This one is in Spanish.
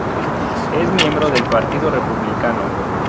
Es miembro del partido republicano.